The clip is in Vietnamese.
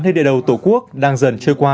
nơi địa đầu tổ quốc đang dần trôi qua